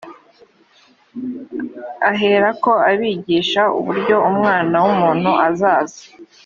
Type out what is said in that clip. aherako abigisha uburyo umwana w’umuntu azaza